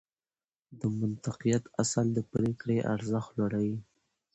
د منطقيت اصل د پرېکړې ارزښت لوړوي.